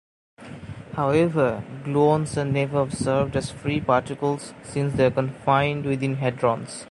However, gluons are never observed as free particles, since they are confined within hadrons.